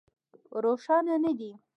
روښانه نه دي.